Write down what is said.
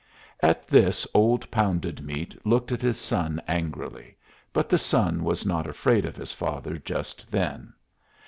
At this old Pounded Meat looked at his son angrily, but the son was not afraid of his father just then.